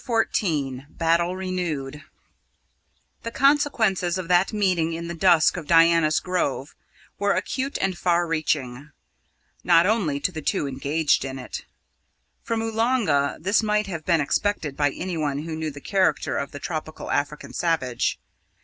CHAPTER XIV BATTLE RENEWED The consequences of that meeting in the dusk of Diana's Grove were acute and far reaching, and not only to the two engaged in it. From Oolanga, this might have been expected by anyone who knew the character of the tropical African savage.